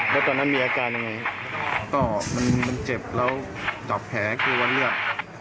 แล้วตอนนั้นมีอาการยังไงก็มันเจ็บแล้วดับแผลกลัวเลือด